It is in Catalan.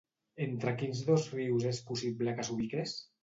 Entre quins dos rius és possible que s'ubiqués?